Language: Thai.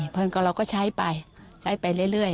เพราะฉะนั้นเราก็ใช้ไปใช้ไปเรื่อย